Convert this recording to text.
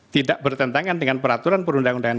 tidak bertentangan dengan peraturan perundang undangan